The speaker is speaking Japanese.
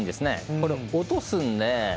これ、落とすんで。